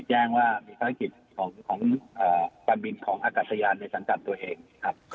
แจ้งว่ามีภารกิจของการบินของอากาศยานในสังกัดตัวเองครับ